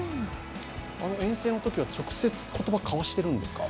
あの遠征のときは、直接言葉を交わしているんですか？